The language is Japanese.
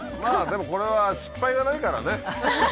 でもこれは失敗がないからね。